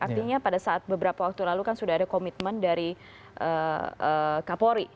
artinya pada saat beberapa waktu lalu kan sudah ada komitmen dari kapolri